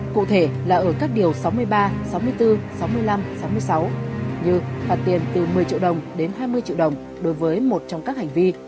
cụ thể là ở các điều sáu mươi ba sáu mươi bốn sáu mươi năm sáu mươi sáu như phạt tiền từ một mươi triệu đồng đến hai mươi triệu đồng đối với một trong các hành vi